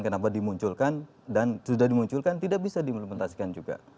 kenapa dimunculkan dan sudah dimunculkan tidak bisa diimplementasikan juga